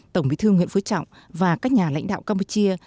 tổng bí thư nguyễn phú trọng và các nhà lãnh đạo campuchia